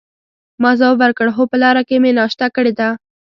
ما ځواب ورکړ: هو، په لاره کې مې ناشته کړې ده.